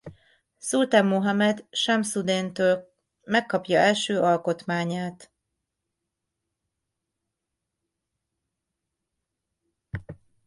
Sultan Mohammed Shamsudeen-től megkapja első alkotmányát.